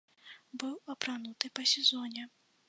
Быў апрануты па сезоне.